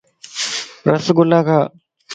رس گُلا کا